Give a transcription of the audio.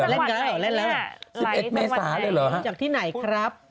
แล้วไงล่ะไหล๑๑เมษาเลยเหรอฮะจากที่ไหนครับ